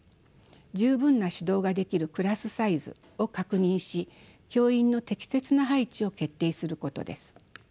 十分な指導ができるクラスサイズを確認し教員の適切な配置を決定することです。